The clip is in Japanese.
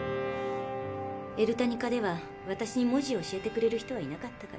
エルタニカでは私に文字を教えてくれる人はいなかったから。